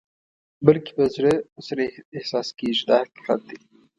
بلکې په زړه سره احساس کېږي دا حقیقت دی.